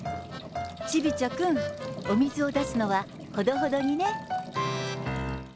チビ茶くん、お水を出すのはほどほどにね。